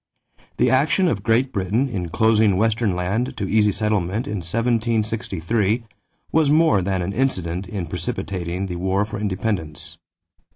The action of Great Britain in closing western land to easy settlement in 1763 was more than an incident in precipitating the war for independence.